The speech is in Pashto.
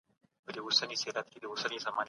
بې له قانونه سياست نه سي پايېدلی.